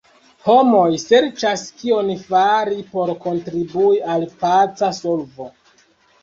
Homoj serĉas, kion fari por kontribui al paca solvo.